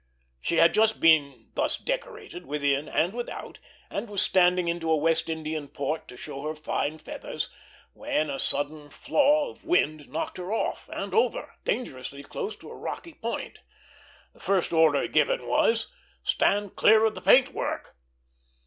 She had just been thus decorated within and without, and was standing into a West Indian port to show her fine feathers, when a sudden flaw of wind knocked her off, and over, dangerously close to a rocky point. The first order given was, "Stand clear of the paint work!"